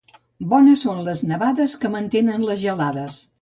Bones són les nevades que mantenen les gelades.